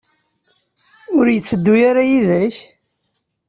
Ur yetteddu ara yid-k?